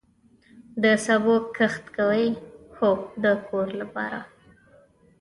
د سبو کښت کوئ؟ هو، د کور لپاره